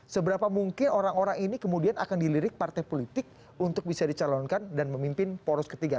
seberapa mungkin orang orang ini kemudian akan dilirik partai politik untuk bisa dicalonkan dan memimpin poros ketiga